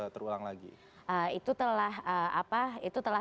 terulang lagi itu telah